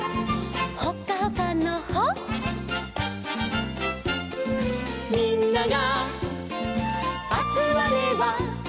「ほっかほかのほ」「みんながあつまれば」